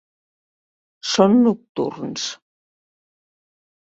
Són nocturns.